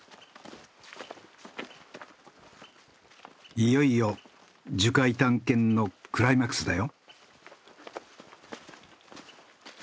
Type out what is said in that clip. いよいよ樹海探検のクライマックスだよ。